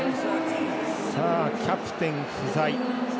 キャプテン不在。